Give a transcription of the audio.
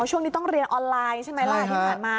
ช่วงนี้ต้องเรียนออนไลน์ใช่ไหมล่ะที่ผ่านมา